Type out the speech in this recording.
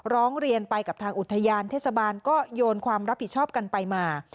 ร้องเรียนไปกับทางอุทยานเทศบาลก็โยนความรับผิดชอบกันไปมา